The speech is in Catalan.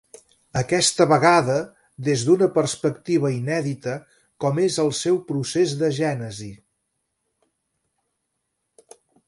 Aquesta vegada des d'una perspectiva inèdita, com és el seu procés de gènesi.